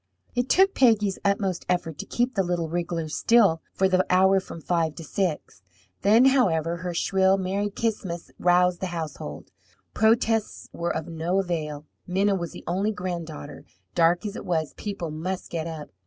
It took Peggy's utmost effort to keep the little wriggler still for the hour from five to six. Then, however, her shrill, "Merry Ch'is'mus!" roused the household. Protests were of no avail. Minna was the only granddaughter. Dark as it was, people must get up.